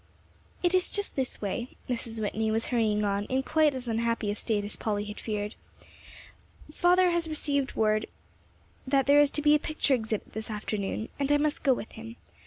"It is just this way," Mrs. Whitney was hurrying on in quite as unhappy a state as Polly had feared: "Father has received word that there is a picture exhibit this afternoon, and I must go with him.